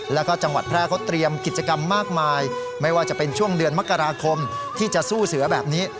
แล้วก็จังหวัดแพร่เขาเตรียมกิจกรรมมากมายไม่ว่าจะเป็นช่วงเดือนมกราคมที่จะสู้เสือแบบนี้